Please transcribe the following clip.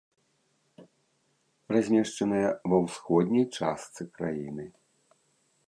Размешчаная ва ўсходняй частцы краіны.